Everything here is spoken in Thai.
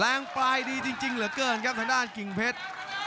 ปลายดีจริงเหลือเกินครับทางด้านกิ่งเพชร